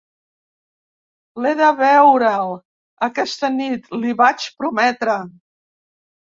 L"he de veure"l aquesta nit, li vaig prometre.